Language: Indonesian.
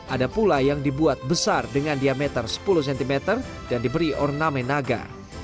ada pula yang dibuat besar dengan diameter sepuluh cm dan diberi ornamen naga